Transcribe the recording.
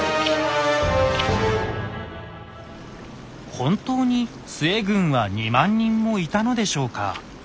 本当に陶軍は２万人もいたのでしょうか。